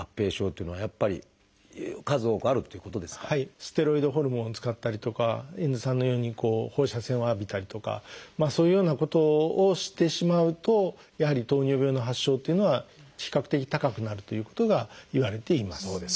ステロイドホルモンを使ったりとか遠津さんのように放射線を浴びたりとかそういうようなことをしてしまうとやはり糖尿病の発症というのは比較的高くなるということがいわれています。